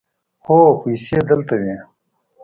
هو، پیسې دلته وې